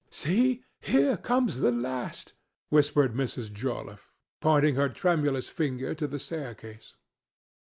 "See! here comes the last," whispered Miss Joliffe, pointing her tremulous finger to the staircase.